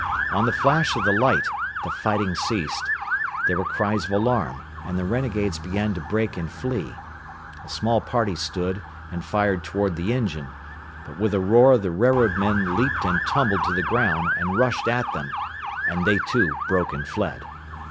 On the flash of the light the fighting ceased. There were cries of alarm, and the renegades began to break and flee. A small party stood, and fired toward the engine. But with a roar the railroadmen leaped and tumbled to the ground, and rushed at them, and they too broke and fled.